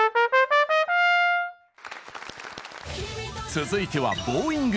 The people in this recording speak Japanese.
続いては「ボウイング」。